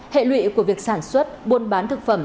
hệ lụy của việc sản xuất buôn bán thực phẩm